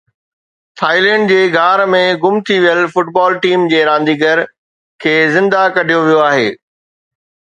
Thailand جي غار ۾ گم ٿي ويل فٽبال ٽيم جي رانديگرن کي زنده ڪڍيو ويو آهي